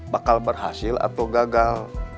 bakal berhasil atau gagal